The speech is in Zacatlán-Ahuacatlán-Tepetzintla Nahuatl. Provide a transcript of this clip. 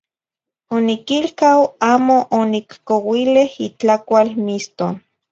Oniquilcau amo oniccouileh itlacual miston